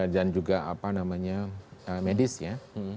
dan juga apa namanya medis ya